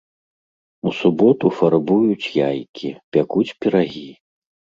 У суботу фарбуюць яйкі, пякуць пірагі.